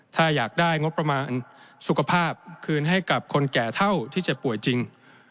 ถ้าอยากได้งบประมาณสุขภาพคืนให้กับคนแก่เท่าที่จะป่วยจริง